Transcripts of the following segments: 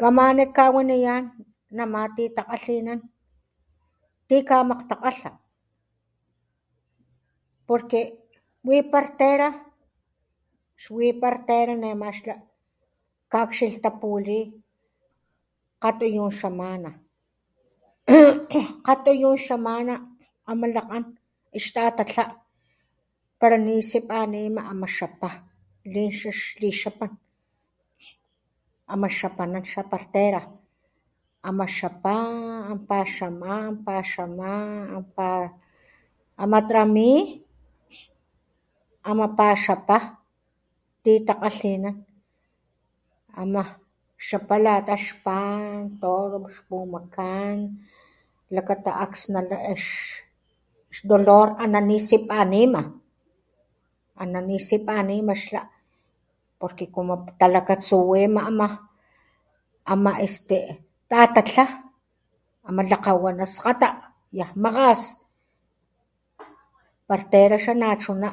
Kamá ni kawaniyán namá ti takgalhinán ti kamakgtakgalha porque wipartera xwipartera nama xla kgaklhxilhtapuwilí kgati nu xamana [kujukán] kgati yu xamana ama lakgán xta takglha para nisipanima amá xakgpá lixux lixapan amá chatanú xapartera ama xapa ampaxaná ampaxalá ampa amá trani ama paxatá ti tlakgalhinán amá xapa lakgaxpán kgolo muxpumakán lakata akgsnatex xlapata nanisipaniman aná nisipanimaxa wati komo palatatsu wema amá amá este tatatlha amá tlakgawanaskgata nak makgas partera xanatsuná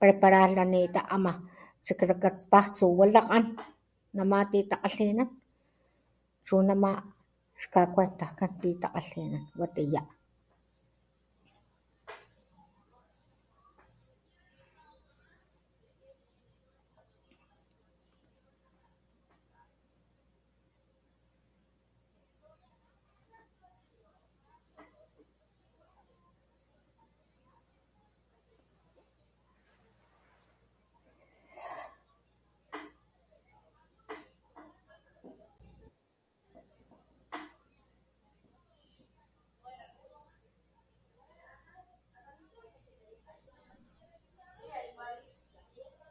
prepara nalita ama [...] nama ti takgatlhinán chu nama xtakgata kgati lakgatlhinán watiyá.